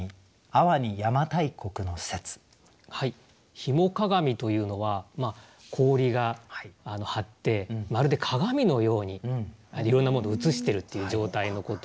「氷面鏡」というのは氷が張ってまるで鏡のようにいろんなものを映してるっていう状態のことをいうんですね。